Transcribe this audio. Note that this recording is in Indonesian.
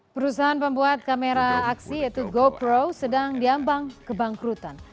perusahaan pembuat kamera aksi yaitu gopro sedang diambang kebangkrutan